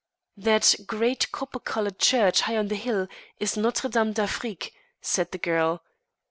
"That great copper coloured church high on the hill is Notre Dame d'Afrique," said the girl.